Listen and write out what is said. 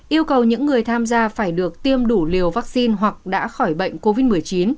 yêu cầu những người tham gia phải được tiêm đủ liều vaccine hoặc đã khỏi bệnh covid một mươi chín